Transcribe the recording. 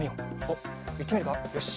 おっいってみるかよし。